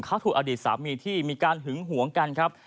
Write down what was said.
เขาถูกอดีตสามีที่มีการหึงหวงกันครับ